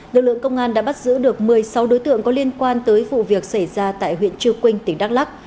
lực lượng công an đã bắt giữ được một mươi sáu đối tượng có liên quan tới vụ việc xảy ra tại huyện trư quynh tỉnh đắk lắc